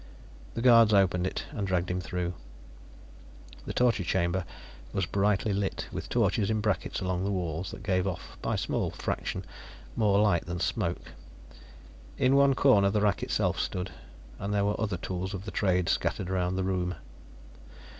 The guards opened it, and dragged him through. The torture chamber was brightly lit, with torches in brackets along the walls that gave off, by a small fraction, more light than smoke. In one corner the rack itself stood, and there were other tools of the trade scattered around the room.